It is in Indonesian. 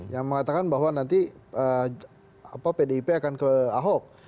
yang mengatakan bahwa nanti pdip akan ke ahok